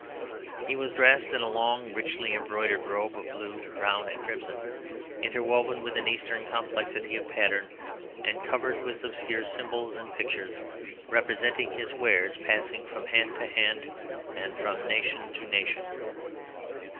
He was dressed in a long and richly embroidered robe of blue, brown, and crimson, interwoven with an Eastern complexity of pattern, and covered with obscure symbols and pictures, representing his wares passing from hand to hand and from nation to nation.